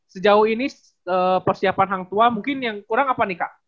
sejauh ini persiapan hangtua mungkin yang kurang apa nih kak